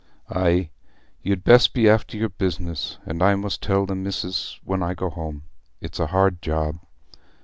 "Aye, you'd best be after your business, and I must tell the missis when I go home. It's a hard job."